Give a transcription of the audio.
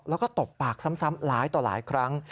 แล้วก็ตบปากซ้ำหลายต่อหลายครั้ง